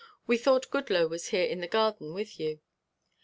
"We thought Goodloe was here in the garden with you."